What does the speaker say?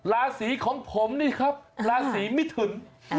ราศีของผมนี่ครับราศีมิถุน